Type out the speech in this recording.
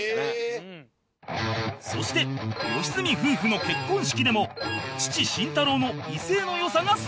そして良純夫婦の結婚式でも父慎太郎の威勢の良さが炸裂！